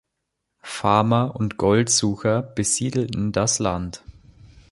Farmer und Goldsucher besiedelten das Land.